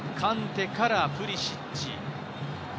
カンテからプリシッチ。